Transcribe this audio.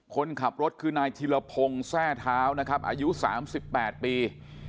คนขับรถคือนายธิรพงศ์แทร่เท้านะครับอายุ๓๘ปี